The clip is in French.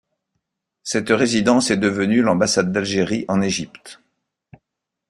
Cette résidence est devenue l'ambassade d'Algérie en Égypte.